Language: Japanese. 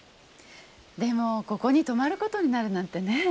でもここに泊まることになるなんてね。